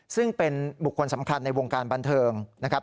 ซึ่งเป็นบุคคลสำคัญในวงการบันเทิงนะครับ